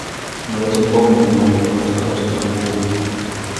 Nojasin pommiin ja näin ikkunasta lähestyvän kuun.